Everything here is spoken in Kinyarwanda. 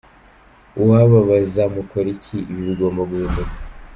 Uwababaza, mukora iki? Ibi bigomba guhinduka.